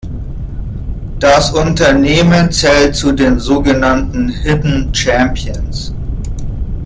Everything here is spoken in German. Das Unternehmen zählt zu den sogenannten Hidden Champions.